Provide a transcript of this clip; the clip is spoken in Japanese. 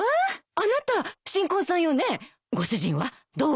あなた新婚さんよねご主人はどう？